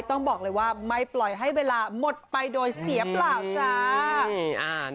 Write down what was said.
ต้องบอกเลยว่าไม่ปล่อยให้เวลาหมดไปโดยเสียเปล่าจ้า